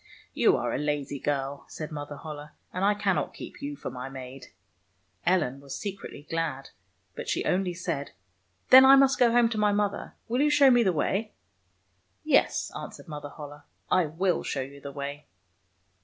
" You are a lazy girl," said Mother Holle, " and I cannot keep you for my maid." Ellen was secretly glad, but she only said, '' Then I must go home to my mother. Will you show me the way? "" Yes," answered Mother Holle, " I will show you the way."